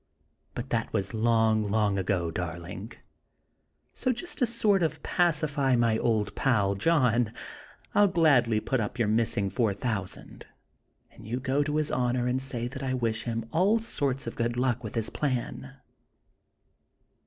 But that was long, long ago, darling. So, just to sort of pacify my old pal, John, I'll gladly put up your missing four thousand; and you go to His Honor and say that I wish him all sorts of good luck with this plan."